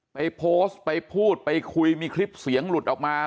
ไปโพสต์ไปพูดไปคุยมีคลิปเสียงหลุดออกมา